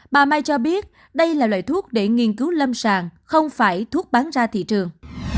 bà may cho biết đây là loại thuốc để nghiên cứu lâm sàng không phải thuốc bán ra thị trường